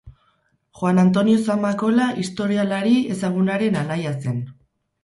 Juan Antonio Zamakola historialari ezagunaren anaia zen.